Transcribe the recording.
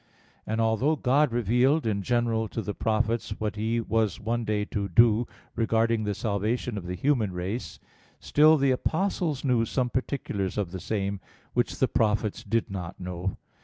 And although God revealed in general to the prophets what He was one day to do regarding the salvation of the human race, still the apostles knew some particulars of the same, which the prophets did not know.